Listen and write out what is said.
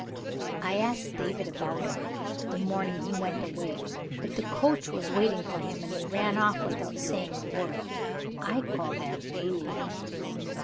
I asked David about it, the morning he went away. But the coach was waiting for him; and he ran off without saying a word. I call that rude."